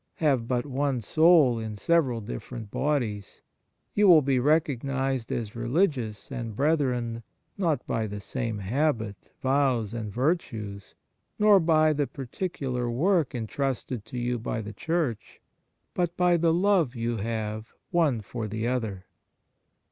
Have but one soul in several different bodies. You will be recognized as religious and brethren, not by the same habit, vows, and virtues, nor by the particular work entrusted to you by the Church, but by the love you have one for the other.